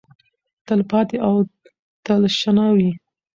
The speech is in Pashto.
تلپاتې او تلشنه وي.